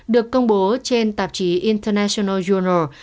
được công bố trên tạp chí international journal